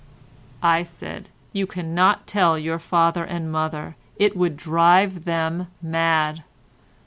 I said: "You cannot tell your father and mother—it would drive them mad."